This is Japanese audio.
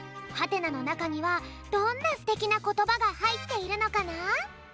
「？」のなかにはどんなすてきなことばがはいっているのかな？